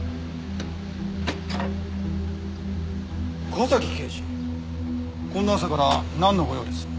岡崎警視こんな朝からなんのご用です？